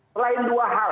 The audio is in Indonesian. selain dua hal